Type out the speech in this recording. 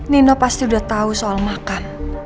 nino pasti udah tahu soal makan